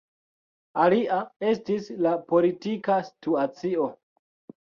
Alia estis la politika situacio.